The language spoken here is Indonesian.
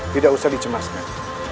tidak usah dicemaskan